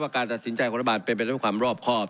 ว่าการตัดสินใจของระบาดเป็นไปตามความรอบคอบ